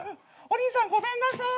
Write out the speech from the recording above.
「お兄さんごめんなさい」